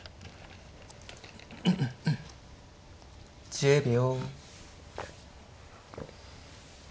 １０秒。